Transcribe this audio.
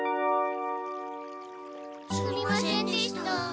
すみませんでした。